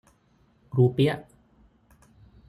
รูเปียห์